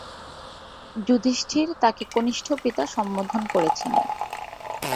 যুধিষ্ঠির তাকে কনিষ্ঠ পিতা সম্বোধন করেছেন।